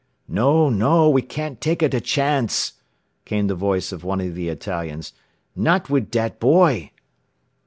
"No, no! We can't taka da chance!" came the voice of one of the Italians. "Not wid dat boy!"